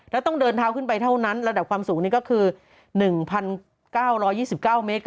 แล้วต้องเดินเท้าขึ้นไปเท่านั้นระดับความสูงนี่ก็คือ๑๙๒๙เมตร